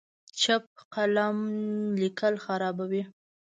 چپ قلم لیکل خرابوي.